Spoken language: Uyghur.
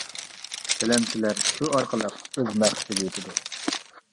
تىلەمچىلەر شۇ ئارقىلىق ئۆز مەقسىتىگە يېتىدۇ.